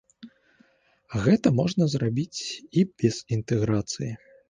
А гэта можна зрабіць і без інтэграцыі.